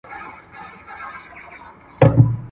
مړ په څه سو، چي ساه ئې و خته.